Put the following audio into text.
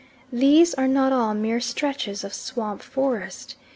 These are not all mere stretches of swamp forest.